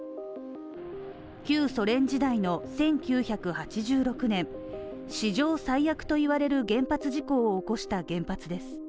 旧ソ連時代の１９８６年、史上最悪といわれる原発事故を起こした原発です。